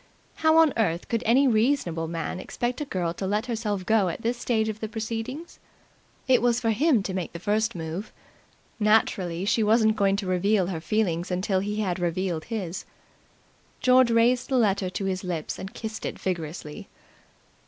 How on earth could any reasonable man expect a girl to let herself go at this stage of the proceedings? It was for him to make the first move. Naturally she wasn't going to reveal her feelings until he had revealed his. George raised the letter to his lips and kissed it vigorously.